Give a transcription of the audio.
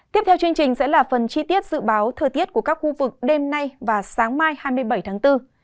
tiếp theo là phần chi tiết dự báo thời tiết của các khu vực đêm nay và sáng mai hai mươi bảy tháng bốn